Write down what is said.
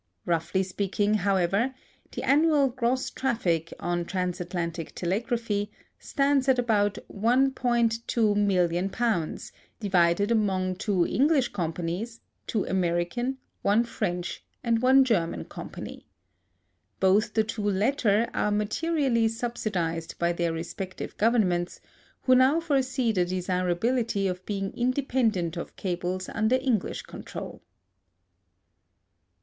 Roughly speaking, however, the annual gross traffic on transatlantic telegraphy stands at about £1,200,000, divided among two English companies, two American, one French, and one German company. Both the two latter are materially subsidized by their respective Governments, who now foresee the desirability of being independent of cables under English control.